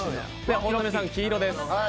本並さん、黄色です。